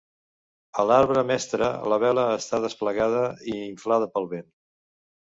A l’arbre mestre la vela està desplegada i inflada pel vent.